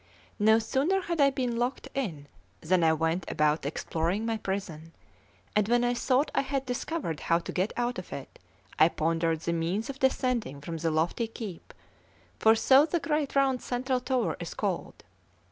No sooner had I been locked in, than I went about exploring my prison; and when I thought I had discovered how to get out of it, I pondered the means of descending from the lofty keep, for so the great round central tower is called.